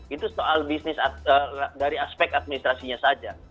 itu soal bisnis dari aspek administrasinya saja